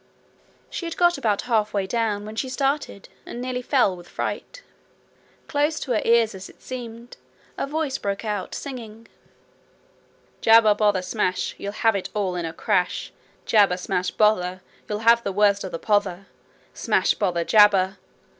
She had got about half way down when she started, and nearly fell with fright. Close to her ears as it seemed, a voice broke out singing: 'Jabber, bother, smash! You'll have it all in a crash. Jabber, smash, bother! You'll have the worst of the pother. Smash, bother, jabber!